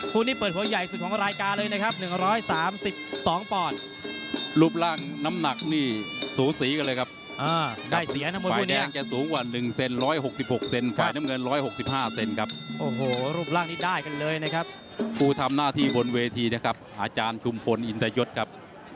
กอดิศรที่จังหวัดภูรีรัมป์ครับ